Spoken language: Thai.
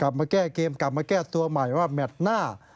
กลับมาแก้เกมกลับมาแก้ตัวใหม่ว่าแมทหน้า